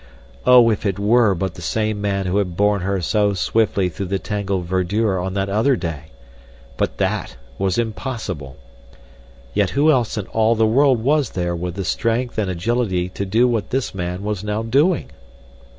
Oh, if it were but the same man who had borne her so swiftly through the tangled verdure on that other day! but that was impossible! Yet who else in all the world was there with the strength and agility to do what this man was now doing?